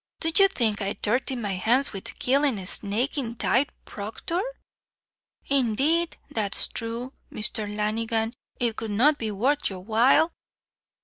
Do you think I'd dirty my hands wid killin' a snakin' tithe procthor?" "Indeed, that's thrue, Mr. Lanigan; it would not be worth your while."